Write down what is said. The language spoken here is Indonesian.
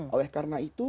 oleh karena itu